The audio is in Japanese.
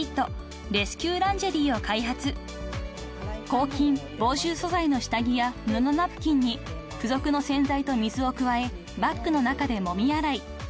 ［抗菌防臭素材の下着や布ナプキンに付属の洗剤と水を加えバッグの中でもみ洗い］